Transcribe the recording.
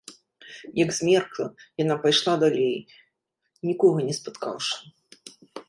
Як змеркла, яна пайшла далей, нікога не спаткаўшы.